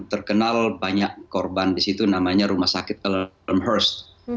terkenal banyak korban di situ namanya rumah sakit alers